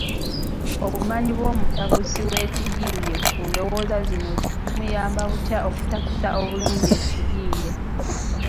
Obumanyi bw’omutapusi w’ekiyiiye ku ndowooza zino bumuyamba butya okutaputa obulungi ekiyiiye?